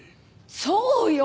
そうよ。